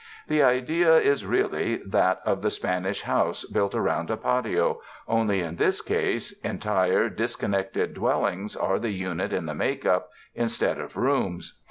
The idea is really that of the Spanish house built around a patio, only in this case entire, dis connected dwellings, are the unit in the make up, in stead of rooms.